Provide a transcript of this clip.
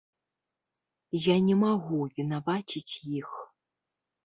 Я не магу вінаваціць іх.